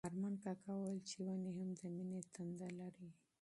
ارمان کاکا وویل چې ونې هم د مینې تنده لري.